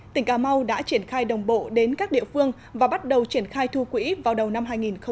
tỉnh cà mau đã triển khai đồng bộ đến các địa phương và bắt đầu triển khai thu quỹ vào đầu năm hai nghìn hai mươi